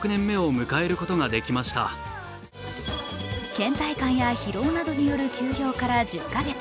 けん怠感や疲労などによる休養から１０か月。